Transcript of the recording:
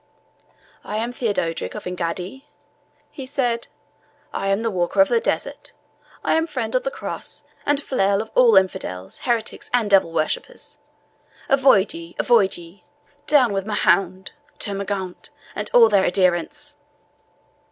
"I am Theodorick of Engaddi," he said "I am the walker of the desert I am friend of the Cross, and flail of all infidels, heretics, and devil worshippers. Avoid ye, avoid ye! Down with Mahound, Termagaunt, and all their adherents!"